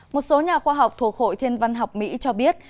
một số nhà khoa học thuộc hội thiên văn học mỹ cho biết